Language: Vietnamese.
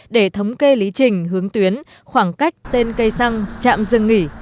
để thống kê lý trình hướng tuyến khoảng cách tên cây xăng chạm dừng nghỉ